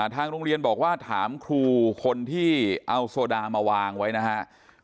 ทางโรงเรียนบอกว่าถามครูคนที่เอาโซดามาวางไว้นะครับ